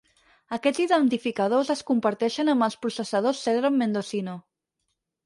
Aquests identificadors es comparteixen amb els processadors Celeron Mendocino.